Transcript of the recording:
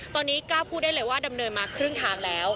ตอนนี้กล้าพูดได้เลยว่าดำเนินมาครึ่งทางแล้ว